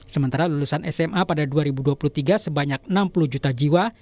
sementara lulusan sma pada dua ribu dua puluh tiga sebanyak enam puluh juta jiwa